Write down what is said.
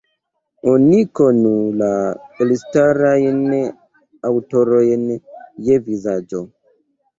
Oni konu la elstarajn aŭtorojn je vizaĝo.